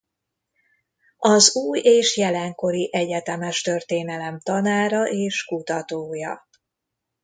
Az új- és jelenkori egyetemes történelem tanára és kutatója.